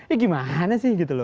ya gimana sih